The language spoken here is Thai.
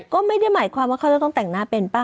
ก็ไม่ได้หมายความว่าเขาจะต้องแต่งหน้าเป็นป่ะ